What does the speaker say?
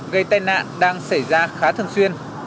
gây tai nạn đang xảy ra khá thường xuyên